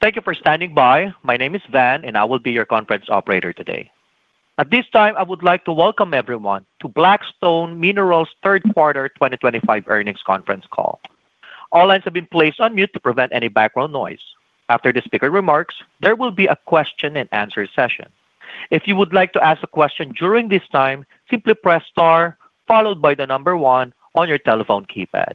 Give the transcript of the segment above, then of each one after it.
Thank you for standing by. My name is Van, and I will be your conference operator today. At this time, I would like to welcome everyone to Black Stone Minerals' third quarter 2025 earnings conference call. All lines have been placed on mute to prevent any background noise. After the speaker remarks, there will be a question-and-answer session. If you would like to ask a question during this time, simply press star followed by the number one on your telephone keypad.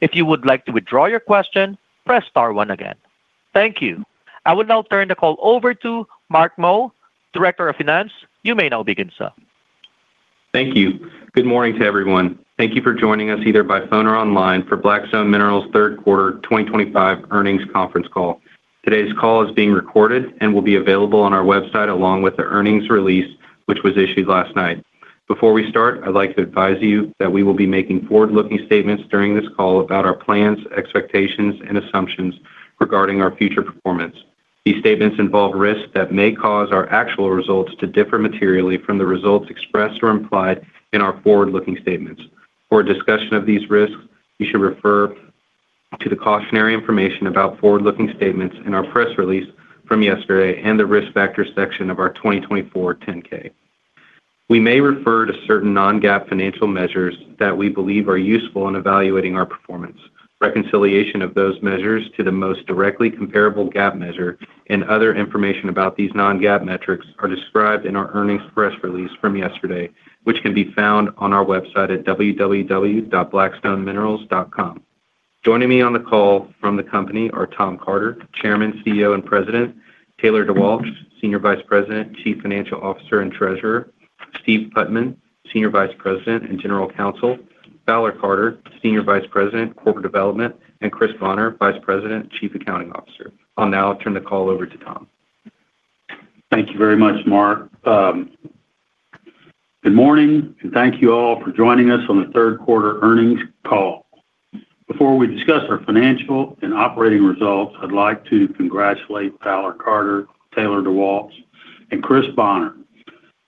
If you would like to withdraw your question, press star one again. Thank you. I will now turn the call over to Mark Meaux, Director of Finance. You may now begin, sir. Thank you. Good morning to everyone. Thank you for joining us either by phone or online for Black Stone Minerals' third quarter 2025 earnings conference call. Today's call is being recorded and will be available on our website along with the earnings release, which was issued last night. Before we start, I'd like to advise you that we will be making forward-looking statements during this call about our plans, expectations, and assumptions regarding our future performance. These statements involve risks that may cause our actual results to differ materially from the results expressed or implied in our forward-looking statements. For a discussion of these risks, you should refer to the cautionary information about forward-looking statements in our press release from yesterday and the Risk Factor section of our 2024 10-K. We may refer to certain non-GAAP financial measures that we believe are useful in evaluating our performance. Reconciliation of those measures to the most directly comparable GAAP measure and other information about these non-GAAP metrics are described in our earnings press release from yesterday, which can be found on our website at www.blackstoneminerals.com. Joining me on the call from the company are Tom Carter, Chairman, CEO, and President; Taylor DeWalch, Senior Vice President, Chief Financial Officer and Treasurer; Steve Putman, Senior Vice President and General Counsel; Fowler Carter, Senior Vice President, Corporate Development; and Chris Bonner, Vice President, Chief Accounting Officer. I'll now turn the call over to Tom. Thank you very much, Mark. Good morning, and thank you all for joining us on the third quarter earnings call. Before we discuss our financial and operating results, I'd like to congratulate Fowler Carter, Taylor DeWalch, and Chris Bonner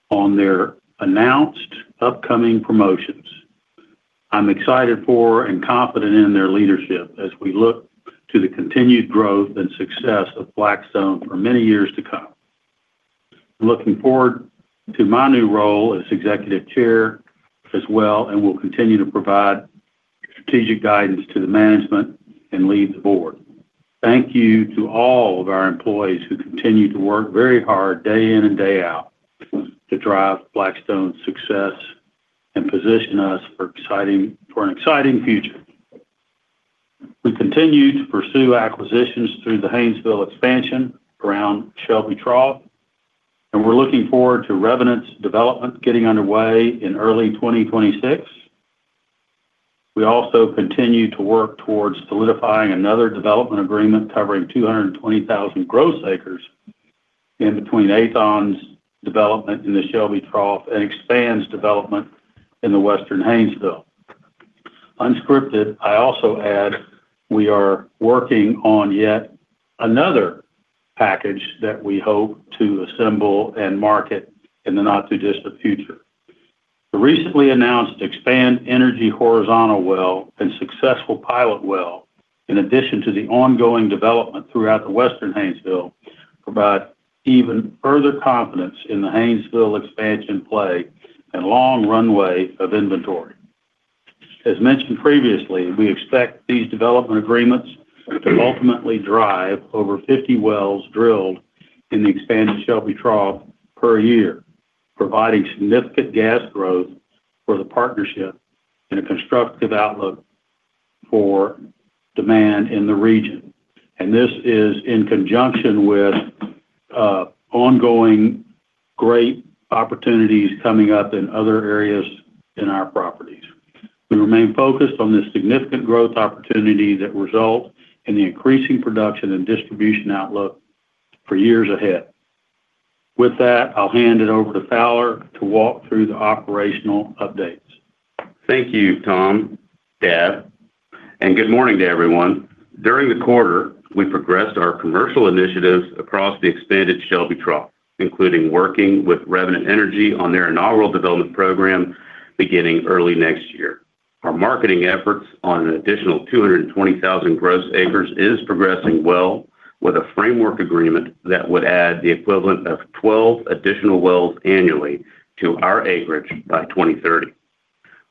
on their announced upcoming promotions. I'm excited for and confident in their leadership as we look to the continued growth and success of Black Stone for many years to come. I'm looking forward to my new role as Executive Chair as well and will continue to provide strategic guidance to the management and lead the board. Thank you to all of our employees who continue to work very hard day in and day out to drive Black Stone's success and position us for an exciting future. We continue to pursue acquisitions through the Haynesville expansion around Shelby Trough, and we're looking forward to Revenant's development getting underway in early 2026. We also continue to work towards solidifying another development agreement covering 220,000 gross acres in between Aethon's development in the Shelby Trough and Expand's development in the Western Haynesville. Unscripted, I also add we are working on yet another package that we hope to assemble and market in the not-too-distant future. The recently announced Expand Energy horizontal well and successful pilot well, in addition to the ongoing development throughout the Western Haynesville, provide even further confidence in the Haynesville expansion play and long runway of inventory. As mentioned previously, we expect these development agreements to ultimately drive over 50 wells drilled in the expanded Shelby Trough per year, providing significant gas growth for the partnership and a constructive outlook for demand in the region, and this is in conjunction with ongoing great opportunities coming up in other areas in our properties. We remain focused on this significant growth opportunity that results in the increasing production and distribution outlook for years ahead. With that, I'll hand it over to Fowler to walk through the operational updates. Thank you, Tom, Dad, and good morning to everyone. During the quarter, we progressed our commercial initiatives across the expanded Shelby Trough, including working with Revenant Energy on their inaugural development program beginning early next year. Our marketing efforts on an additional 220,000 gross acres are progressing well with a framework agreement that would add the equivalent of 12 additional wells annually to our acreage by 2030.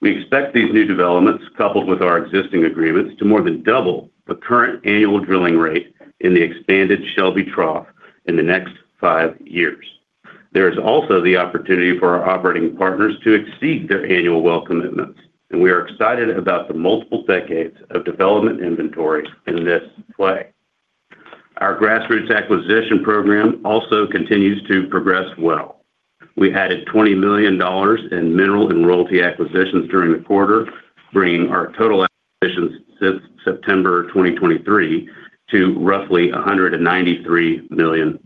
We expect these new developments, coupled with our existing agreements, to more than double the current annual drilling rate in the expanded Shelby Trough in the next five years. There is also the opportunity for our operating partners to exceed their annual well commitments, and we are excited about the multiple decades of development inventory in this play. Our grass-roots acquisition program also continues to progress well. We added $20 million in mineral and royalty acquisitions during the quarter, bringing our total acquisitions since September 2023 to roughly $193 million.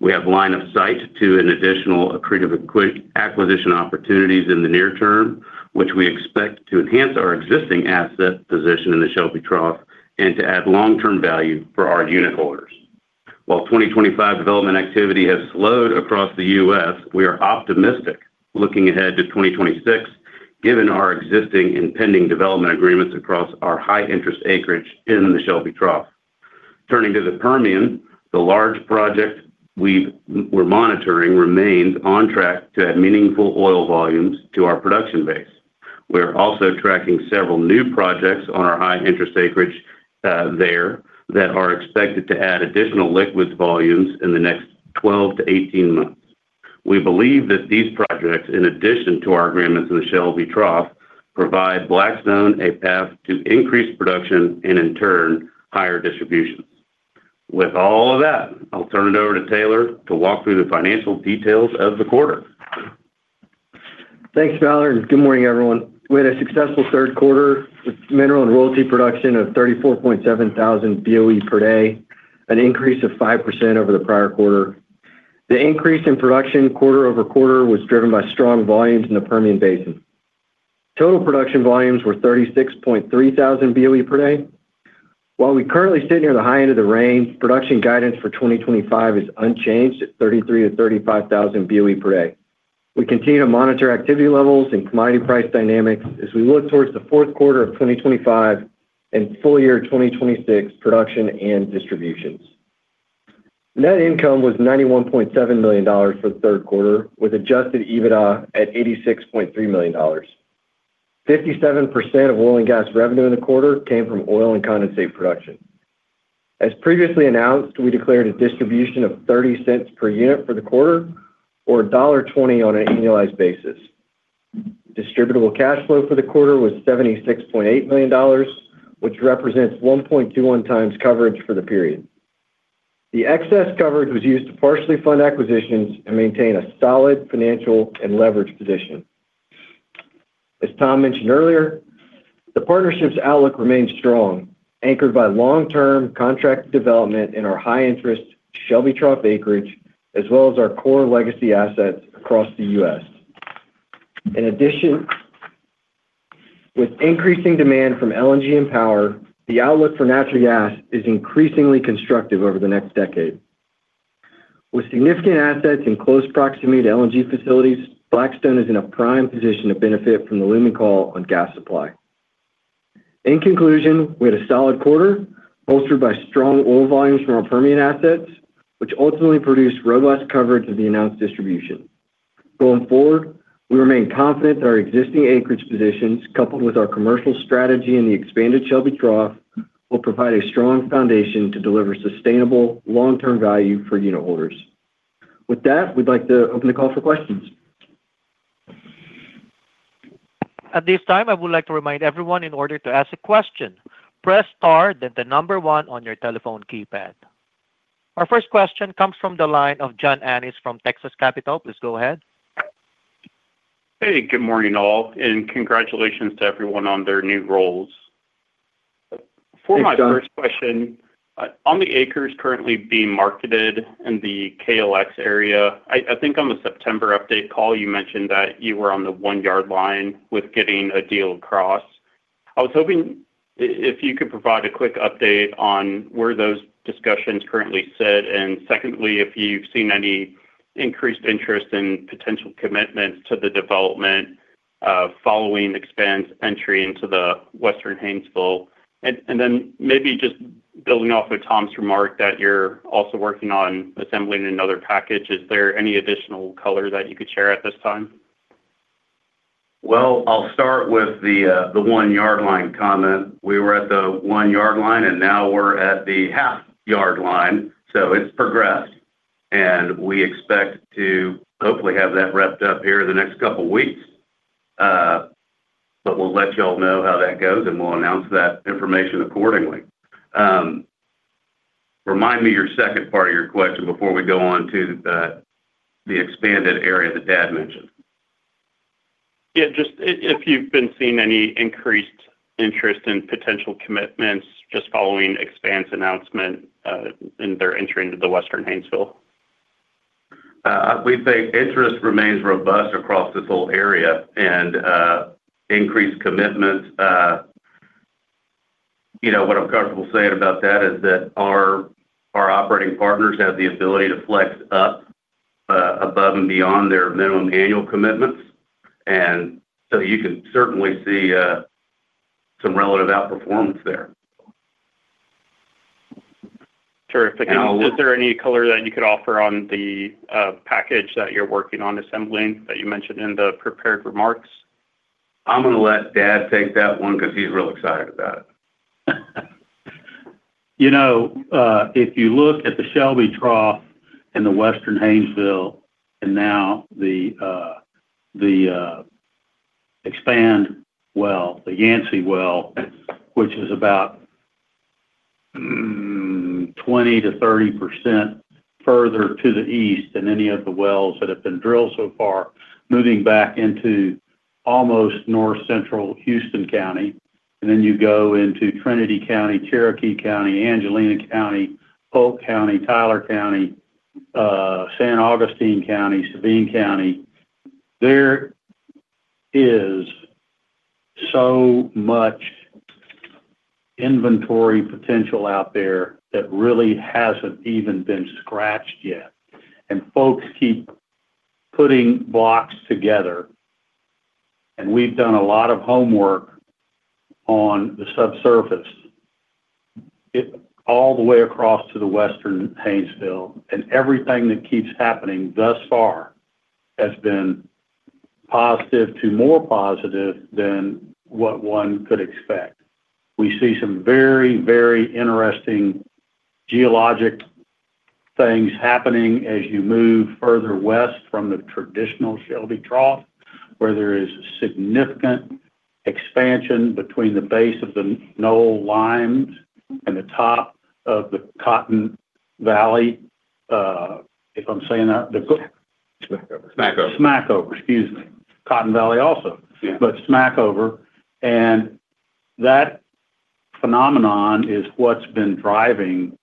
We have line of sight to additional accretive acquisition opportunities in the near term, which we expect to enhance our existing asset position in the Shelby Trough and to add long-term value for our unit holders. While 2025 development activity has slowed across the U.S., we are optimistic looking ahead to 2026, given our existing and pending development agreements across our high-interest acreage in the Shelby Trough. Turning to the Permian, the large project we're monitoring remains on track to add meaningful oil volumes to our production base. We are also tracking several new projects on our high-interest acreage that are expected to add additional liquids volumes in the next 12 to 18 months. We believe that these projects, in addition to our agreements in the Shelby Trough, provide Black Stone a path to increase production and, in turn, higher distributions. With all of that, I'll turn it over to Taylor to walk through the financial details of the quarter. Thanks, Fowler. And good morning, everyone. We had a successful third quarter with mineral and royalty production of 34,700 BOE per day, an increase of 5% over the prior quarter. The increase in production quarter-over-quarter was driven by strong volumes in the Permian Basin. Total production volumes were 36,300 BOE per day. While we currently sit near the high end of the range, production guidance for 2025 is unchanged at 33,000-35,000 BOE per day. We continue to monitor activity levels and commodity price dynamics as we look towards the fourth quarter of 2025 and full year 2026 production and distributions. Net income was $91.7 million for the third quarter, with Adjusted EBITDA at $86.3 million. 57% of oil and gas revenue in the quarter came from oil and condensate production. As previously announced, we declared a distribution of $0.30 per unit for the quarter, or $1.20 on an annualized basis. Distributable cash flow for the quarter was $76.8 million, which represents 1.21x coverage for the period. The excess coverage was used to partially fund acquisitions and maintain a solid financial and leverage position. As Tom mentioned earlier, the partnership's outlook remains strong, anchored by long-term contract development in our high-interest Shelby Trough acreage, as well as our core legacy assets across the U.S. In addition, with increasing demand from LNG and power, the outlook for natural gas is increasingly constructive over the next decade. With significant assets in close proximity to LNG facilities, Black Stone is in a prime position to benefit from the looming call on gas supply. In conclusion, we had a solid quarter bolstered by strong oil volumes from our Permian assets, which ultimately produced robust coverage of the announced distribution. Going forward, we remain confident that our existing acreage positions, coupled with our commercial strategy in the expanded Shelby Trough, will provide a strong foundation to deliver sustainable long-term value for unit holders. With that, we'd like to open the call for questions. At this time, I would like to remind everyone in order to ask a question, press star then the number one on your telephone keypad. Our first question comes from the line of John Annis from Texas Capital. Please go ahead. Hey, good morning all, and congratulations to everyone on their new roles. Thanks, John. For my first question, on the acres currently being marketed in the KLX area, I think on the September update call, you mentioned that you were on the one-yard line with getting a deal across. I was hoping if you could provide a quick update on where those discussions currently sit. And secondly, if you've seen any increased interest in potential commitments to the development following Expand's entry into the Western Haynesville. And then maybe just building off of Tom's remark that you're also working on assembling another package, is there any additional color that you could share at this time? Well, I'll start with the one-yard line comment. We were at the one-yard line, and now we're at the half-yard line. So it's progressed, and we expect to hopefully have that wrapped up here in the next couple of weeks. But we'll let y'all know how that goes, and we'll announce that information accordingly. Remind me your second part of your question before we go on to the expanded area that Dad mentioned. Yeah, just if you've been seeing any increased interest in potential commitments just following Expand's announcement. In their entry into the Western Haynesville. We'd say interest remains robust across this whole area, and increased commitment. You know what I'm comfortable saying about that is that our operating partners have the ability to flex up above and beyond their minimum annual commitments, and so you can certainly see some relative outperformance there. Terrific. Is there any color that you could offer on the package that you're working on assembling that you mentioned in the prepared remarks? I'm going to let Dad take that one because he's real excited about it. You know, if you look at the Shelby Trough in the Western Haynesville and now the Expand well, the Yancey well, which is about 20%-30% further to the east than any of the wells that have been drilled so far, moving back into almost north central Houston County. And then you go into Trinity County, Cherokee County, Angelina County, Polk County, Tyler County, San Augustine County, Sabine County. There is so much inventory potential out there that really hasn't even been scratched yet. And folks keep putting blocks together, and we've done a lot of homework on the subsurface all the way across to the Western Haynesville. And everything that keeps happening thus far has been positive to more positive than what one could expect. We see some very, very interesting geologic things happening as you move further west from the traditional Shelby Trough, where there is significant expansion between the base of the Knowles Lime and the top of the Cotton Valley. If I'm saying that. Smackover. Smackover. Excuse me. Cotton Valley also, but Smackover. And that phenomenon is what's been driving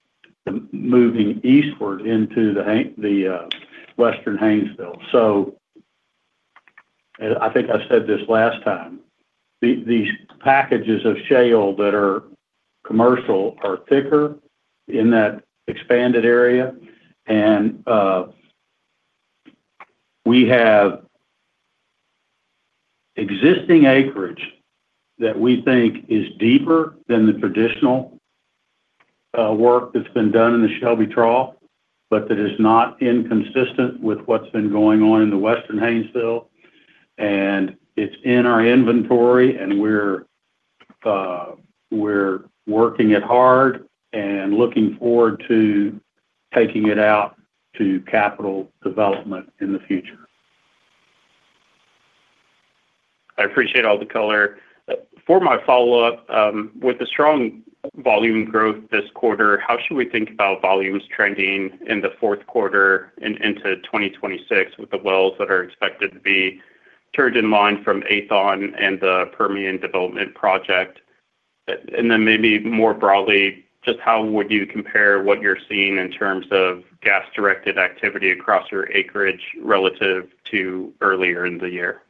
moving eastward into the Western Haynesville, so I think I said this last time, these packages of shale that are commercial are thicker in that expanded area, and we have existing acreage that we think is deeper than the traditional work that's been done in the Shelby Trough, but that is not inconsistent with what's been going on in the Western Haynesville, and it's in our inventory, and we're working it hard and looking forward to taking it out to capital development in the future. I appreciate all the color. For my follow-up, with the strong volume growth this quarter, how should we think about volumes trending in the fourth quarter and into 2026 with the wells that are expected to be turned in line from Aethon and the Permian development project? And then maybe more broadly, just how would you compare what you're seeing in terms of gas-directed activity across your acreage relative to earlier in the year?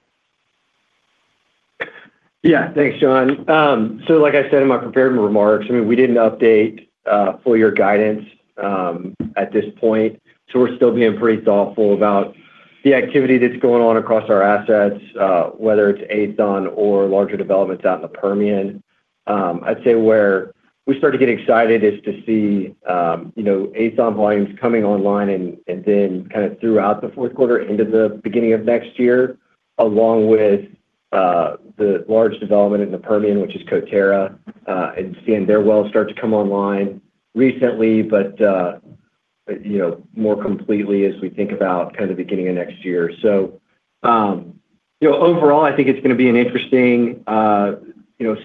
Yeah, thanks, John. So like I said in my prepared remarks, I mean, we didn't update for your guidance at this point. So we're still being pretty thoughtful about the activity that's going on across our assets, whether it's Aethon or larger developments out in the Permian. I'd say where we start to get excited is to see Aethon volumes coming online and then kind of throughout the fourth quarter into the beginning of next year, along with the large development in the Permian, which is Coterra, and seeing their wells start to come online recently, but more completely as we think about kind of the beginning of next year. So overall, I think it's going to be an interesting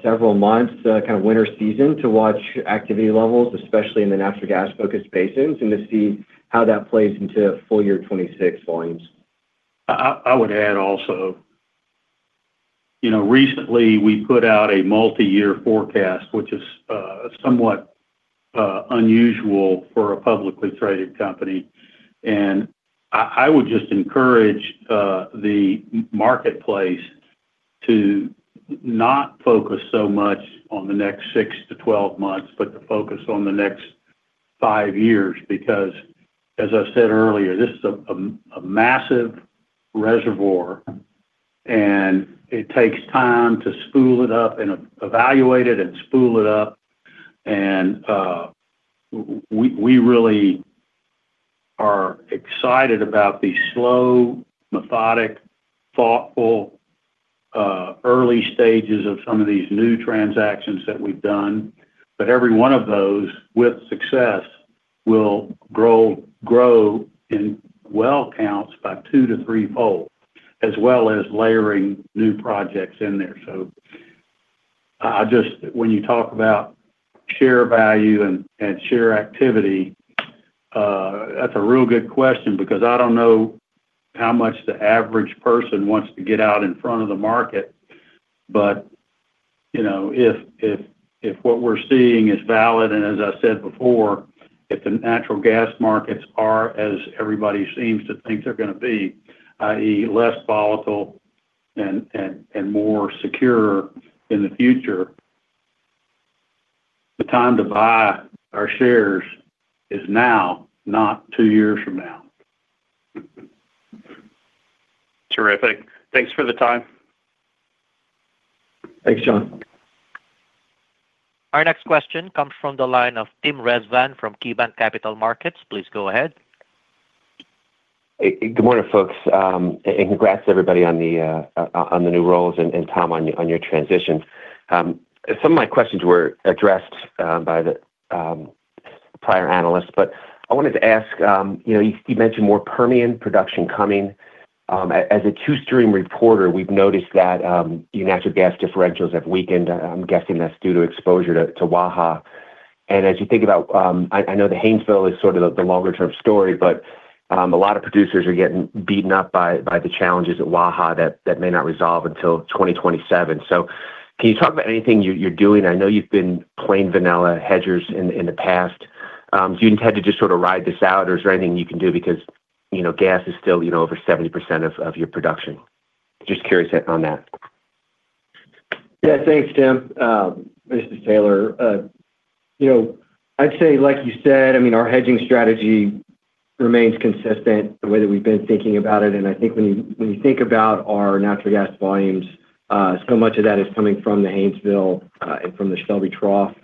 several months, kind of winter season, to watch activity levels, especially in the natural gas-focused basins, and to see how that plays into full year 2026 volumes. I would add also, recently, we put out a multi-year forecast, which is somewhat unusual for a publicly traded company. I would just encourage the marketplace to not focus so much on the next six to 12 months, but to focus on the next five years, because, as I said earlier, this is a massive reservoir. It takes time to spool it up and evaluate it and spool it up. We really are excited about the slow, methodic, thoughtful early stages of some of these new transactions that we've done. Every one of those, with success, will grow in well counts by two- to three-fold, as well as layering new projects in there. So when you talk about share value and share activity, that's a real good question because I don't know how much the average person wants to get out in front of the market. If what we're seeing is valid, and as I said before, if the natural gas markets are as everybody seems to think they're going to be, i.e., less volatile and more secure in the future, the time to buy our shares is now, not two years from now. Terrific. Thanks for the time. Thanks, John. Our next question comes from the line of Tim Rezvan from KeyBanc Capital Markets. Please go ahead. Good morning, folks. Congrats to everybody on the new roles and Tom on your transition. Some of my questions were addressed by the prior analysts, but I wanted to ask. You mentioned more Permian production coming. As a two-stream reporter, we've noticed that your natural gas differentials have weakened. I'm guessing that's due to exposure to Waha. And as you think about, I know the Haynesville is sort of the longer-term story, but a lot of producers are getting beaten up by the challenges at Waha that may not resolve until 2027. So can you talk about anything you're doing? I know you've been playing vanilla hedges in the past. Do you intend to just sort of ride this out, or is there anything you can do because gas is still over 70% of your production? Just curious on that. Yeah, thanks, Tim. This is Taylor. I'd say, like you said, I mean, our hedging strategy remains consistent, the way that we've been thinking about it. And I think when you think about our natural gas volumes, so much of that is coming from the Haynesville and from the Shelby Trough.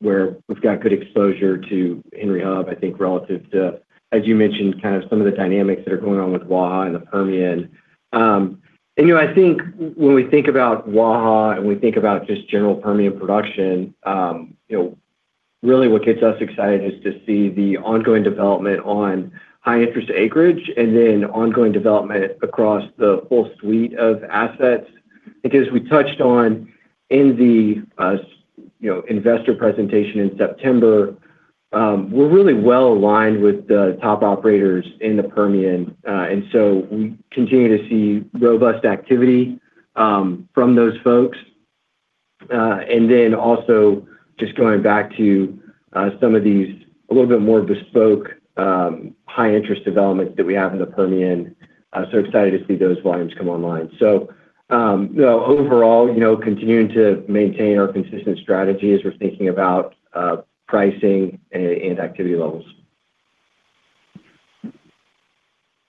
Where we've got good exposure to Henry Hub, I think, relative to, as you mentioned, kind of some of the dynamics that are going on with Waha and the Permian. And I think when we think about Waha and we think about just general Permian production. Really what gets us excited is to see the ongoing development on high-interest acreage and then ongoing development across the full suite of assets. Because as we touched on in the investor presentation in September. We're really well aligned with the top operators in the Permian. And so we continue to see robust activity from those folks. And then also just going back to some of these a little bit more bespoke high-interest developments that we have in the Permian, so excited to see those volumes come online. So overall, continuing to maintain our consistent strategy as we're thinking about pricing and activity levels.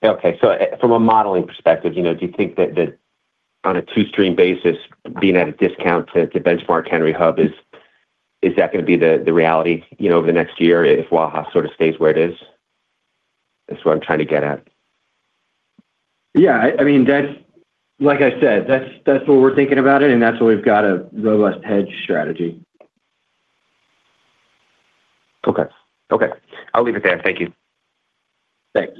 Okay. So from a modeling perspective, do you think that on a two-stream basis, being at a discount to benchmark Henry Hub, is that going to be the reality over the next year if Waha sort of stays where it is? That's what I'm trying to get at. Yeah. I mean. Like I said, that's what we're thinking about it, and that's why we've got a robust hedge strategy. Okay. Okay. I'll leave it there. Thank you. Thanks.